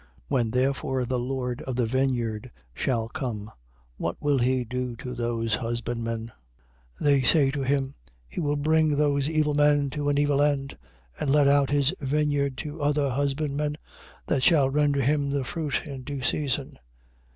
21:40. When therefore the lord of the vineyard shall come, what will he do to those husbandmen? 21:41. They say to him: He will bring those evil men to an evil end and let out his vineyard to other husbandmen that shall render him the fruit in due season.